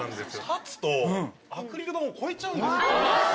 立つとアクリル板を越えちゃうんですよ。